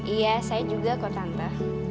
iya saya juga kok tante